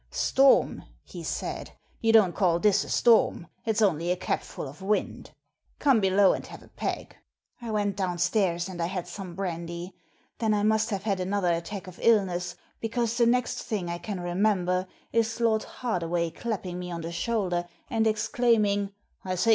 ' Storm !' he said, ' you don't call this a storm. It's only a capful of wind ! Come below and have a peg?' I went downstairs and I had some brandy ; then I must have had another attack of illness, because the next thing I can remember is Lord Hardaway clapping me on the shoulder and exclaiming, * I say.